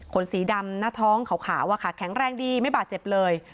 สีดำหน้าท้องขาวแข็งแรงดีไม่บาดเจ็บเลย